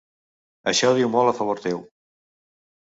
Això diu molt a favor teu.